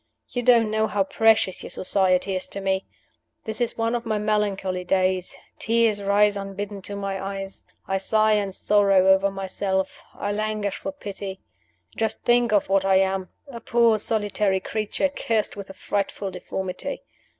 You don't know how precious your society is to me. This is one of my melancholy days. Tears rise unbidden to my eyes. I sigh and sorrow over myself; I languish for pity. Just think of what I am! A poor solitary creature, cursed with a frightful deformity.